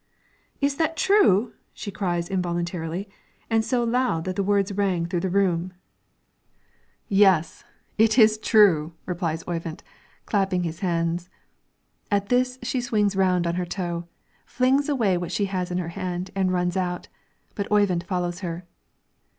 "Is that true?" she cries, involuntarily, and so loud that the words rang through the room. "Yes; it is true!" replies Oyvind, clapping his hands. At this she swings round on her toe, flings away what she has in her hand, and runs out; but Oyvind follows her.